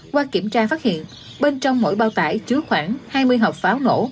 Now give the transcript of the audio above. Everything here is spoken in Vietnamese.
qua kiểm tra phát hiện bên trong mỗi bao tải chứa khoảng hai mươi hộp pháo nổ